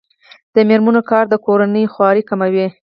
د میرمنو کار د کورنۍ خوارۍ کموي.